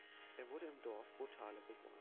Er wurde im Dorf Botale geboren.